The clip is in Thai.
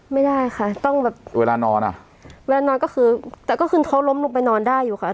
ไม่ได้ค่ะต้องแบบเวลานอนอ่ะเวลานอนก็คือแต่ก็คือเขาล้มลงไปนอนได้อยู่ค่ะ